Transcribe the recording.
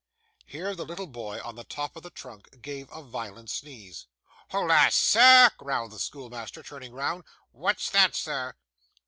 Here the little boy on the top of the trunk gave a violent sneeze. 'Halloa, sir!' growled the schoolmaster, turning round. 'What's that, sir?